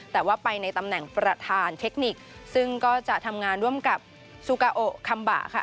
แต่ว่าไปในตำแหน่งประธานเทคนิคซึ่งก็จะทำงานร่วมกับซูกาโอคัมบะค่ะ